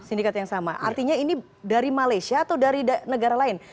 sindikat yang sama artinya ini dari malaysia atau dari negara lain